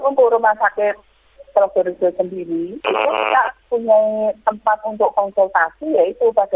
tapi untuk rumah sakit seluruh dunia sendiri itu tidak punya tempat untuk konsultasi